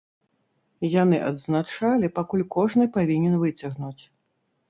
Яны адзначалі, пакуль кожны павінен выцягнуць.